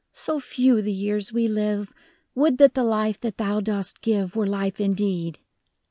so few the years we live, Would that the life that thou dost give Were life indeed